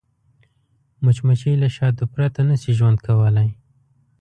مچمچۍ له شاتو پرته نه شي ژوند کولی